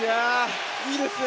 いいですね